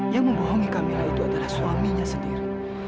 yang membohongi camilla itu adalah suaminya sendiri